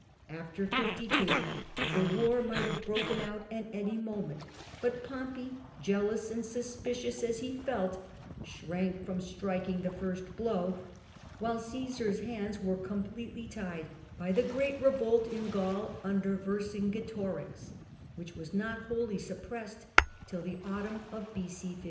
After 52 the war nxight have broken out at any moment ; but Pompey, jealous and suspicious as he felt, shrank from striking the first blow, while Cassar's hands were completely tied by the great revolt in Gaul under Vercingetorix, which was not wholly suppressed till the autumn of B.C. 51.